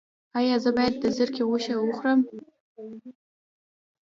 ایا زه باید د زرکې غوښه وخورم؟